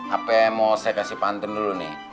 apa yang mau saya kasih pantun dulu nih